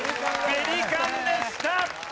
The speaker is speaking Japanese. ペリカンでした。